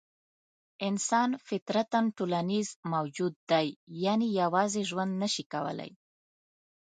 انسان فطرتاً ټولنیز موجود دی؛ یعنې یوازې ژوند نه شي کولای.